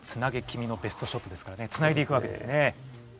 君のベストショット」ですからつないでいくわけですね。